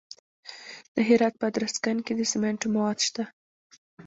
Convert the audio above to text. د هرات په ادرسکن کې د سمنټو مواد شته.